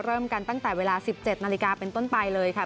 เริ่มกันตั้งแต่เวลา๑๗นาฬิกาเป็นต้นไปเลยค่ะ